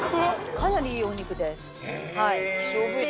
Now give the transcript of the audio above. かなりいいお肉です。